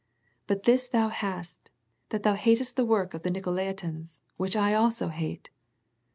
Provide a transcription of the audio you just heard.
" But this thou hast, that thou hatest the works of the Nicolaitans, which I also hate."